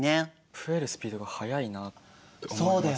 増えるスピードが速いなって思います。